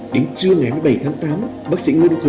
đến trưa ngày một mươi bảy tháng tám